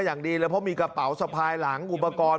อย่างดีเลยเพราะมีกระเป๋าสะพายหลังอุปกรณ์